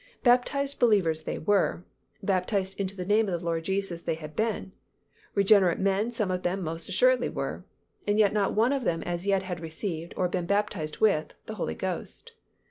Baptized believers they were; baptized into the name of the Lord Jesus they had been; regenerate men some of them most assuredly were, and yet not one of them as yet had received, or been baptized with, the Holy Ghost.